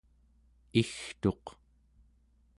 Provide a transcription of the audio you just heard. igtuq